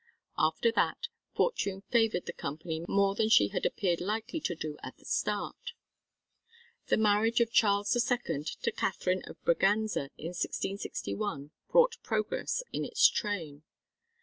After that, fortune favoured the Company more than she had appeared likely to do at the start. The marriage of Charles II to Catherine of Braganza in 1661 brought progress in its train.